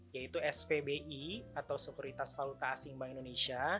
yaitu spbi atau sekuritas valuta asing bank indonesia